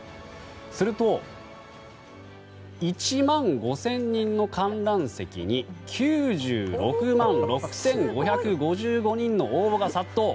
すると、１万５０００人の観覧席に９６万６５５５人の応募が殺到！